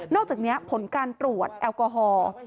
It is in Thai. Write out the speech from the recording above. อกจากนี้ผลการตรวจแอลกอฮอล์